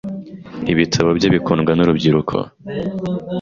Ibitabo bye bikundwa nurubyiruko.